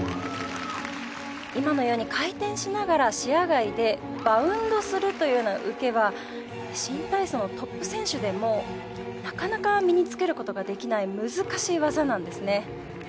今のように回転しながら視野外でバウンドするというような受けは新体操のトップ選手でもなかなか身につける事ができない難しい技なんですね。